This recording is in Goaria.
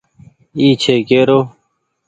اي ڇي ڪيرو ۔